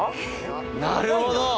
なるほど！